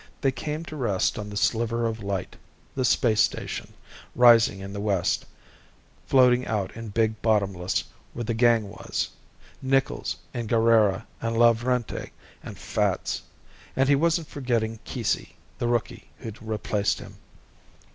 They came to rest on the sliver of light the space station rising in the west, floating out in Big Bottomless where the gang was Nichols and Guerrera and Lavrenti and Fats. And he wasn't forgetting Keesey, the rookie who'd replaced him.